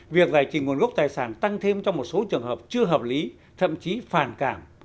việc giải trình nguồn gốc tài sản tăng thêm cho một số trường hợp chưa hợp lý thậm chí phản cảm